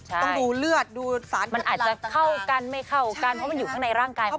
ต้องดูเลือดดูสารมันอาจจะเข้ากันไม่เข้ากันเพราะมันอยู่ข้างในร่างกายของ